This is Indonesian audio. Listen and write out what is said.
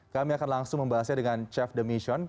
kami akan langsung membahasnya dengan chef de mission